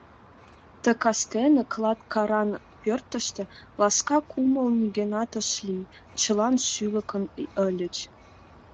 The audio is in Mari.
Ты кастене клат хӓрран пӧртыштӧ ласка кумыл нигӧнат ыш лий, чылан шӱлыкан ыльыч.